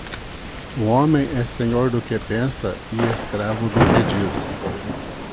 O homem é senhor do que pensa e escravo do que diz